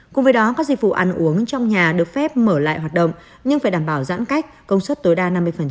cùng với đó các dịch vụ ăn uống trong nhà được phép mở lại hoạt động nhưng phải đảm bảo giãn cách công suất tối đa năm mươi